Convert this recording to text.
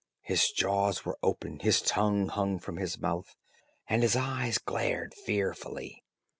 His jaws were open, his tongue hung from his mouth, and his eyes glared fearfully.